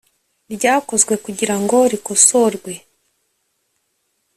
ryakozwe kugira ngo rikosorwe